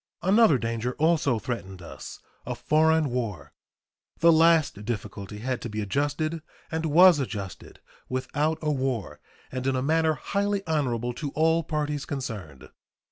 Another danger also threatened us a foreign war. The last difficulty had to be adjusted, and was adjusted without a war and in a manner highly honorable to all parties concerned.